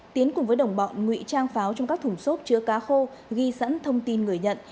tiến cùng với đồng bọn ngụy trang pháo trong các thùng xốp chứa cá khô ghi sẵn thông tin người nhận